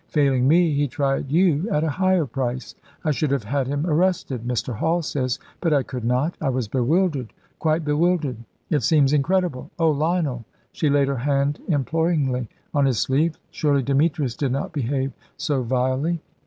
Failing me, he tried you at a higher price. I should have had him arrested, Mr. Hall says, but I could not. I was bewildered quite bewildered. It seems incredible. Oh, Lionel," she laid her hand imploringly on his sleeve "surely Demetrius did not behave so vilely!"